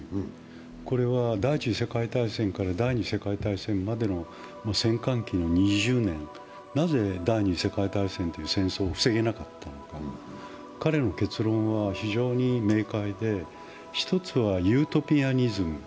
これは第一次世界大戦から第二次世界大戦までの戦間期の２０年、なぜ第二次世界大戦という戦争を防げなかったのか、彼の結論は非常に明解で、１つはユートピアニズム。